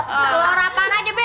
telor apaan aja be